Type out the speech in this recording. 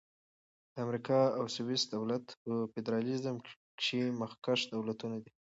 د امریکا او سویس دولت په فدرالیزم کښي مخکښ دولتونه دي.